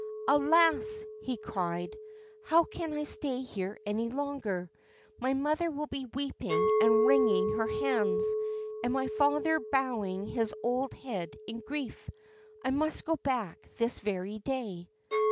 ' Alas !' he cried, ' how can I stay here any longer ? My mother will be weeping and wringing her hands, and my father bowing his old head in grief. I must go back this very day.'